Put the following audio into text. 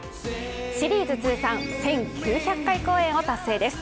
シリーズ通算１９００回公演を達成です。